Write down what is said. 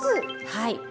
はい。